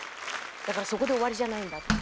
だからそこで終わりじゃないんだと。